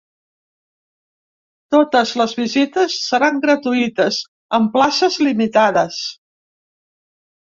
Totes les visites seran gratuïtes, amb places limitades.